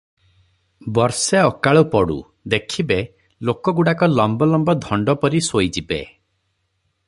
ବର୍ଷେ ଅକାଳ ପଡ଼ୁ, ଦେଖିବେ, ଲୋକଗୁଡାକ ଲମ୍ବ ଲମ୍ବ ଧଣ୍ଡ ପରି ଶୋଇଯିବେ ।